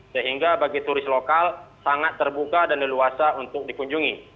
sehingga bagi turis lokal sangat terbuka dan leluasa untuk dikunjungi